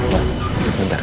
nanti sebentar ya